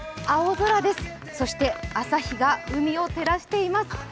青空です、そして朝日が海を照らしています。